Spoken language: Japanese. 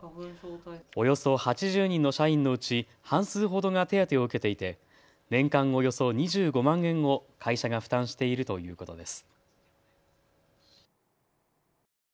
およそ８０人の社員のうち半数ほどが手当を受けていて年間およそ２５万円を会社が負担しているということです。